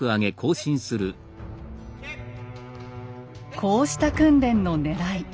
こうした訓練のねらい。